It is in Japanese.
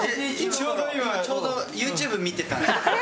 ちょうど今、ＹｏｕＴｕｂｅ見てた。